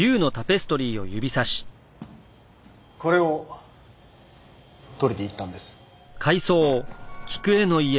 これを取りに行ったんです。